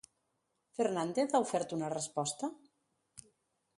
Fernàndez ha ofert una resposta?